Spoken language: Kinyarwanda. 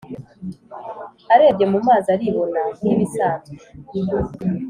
arebye mumazi aribona nkibisanzwe